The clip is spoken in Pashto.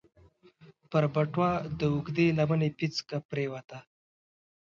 پر بټوه د اوږدې لمنې پيڅکه پرېوته.